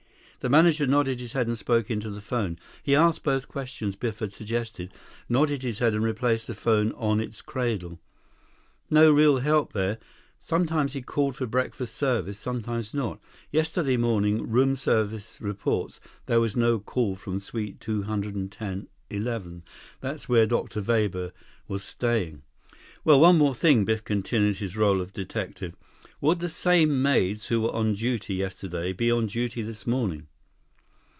The manager nodded his head and spoke into the phone. He asked both questions Biff had suggested, nodded his head, and replaced the phone on its cradle. "No real help there. Sometimes he called for breakfast service; sometimes not. Yesterday morning, room service reports, there was no call from Suite 210 11—that's where Dr. Weber was staying." "Well, one more thing." Biff continued his role of detective. "Would the same maids who were on duty yesterday be on duty this morning?"